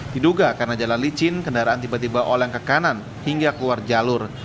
diduga karena jalan licin kendaraan tiba tiba oleng ke kanan hingga keluar jalur